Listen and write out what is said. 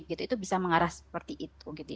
itu bisa mengarah seperti itu